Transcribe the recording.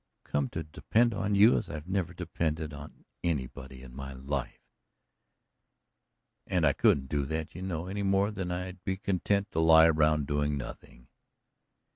"I've come to depend on you as I never depended on anybody in my life." "And I couldn't do that, you know, any more than I'd be content to lie around doing nothing."